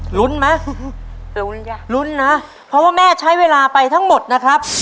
ลุ้นไหมลุ้นจ้ะลุ้นนะเพราะว่าแม่ใช้เวลาไปทั้งหมดนะครับ